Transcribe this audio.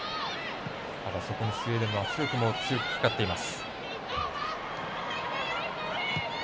そこにスウェーデンの圧力も強くかかっています。